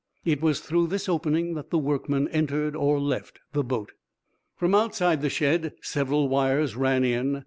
It was through this opening that the workmen entered or left the boat. From outside the shed several wires ran in.